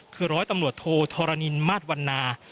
คือร้อยตำรวจโทธรณินมาสวันนา